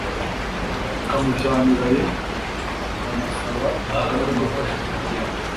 akamujyana i Laye banasaba Kagame gufasha Kabila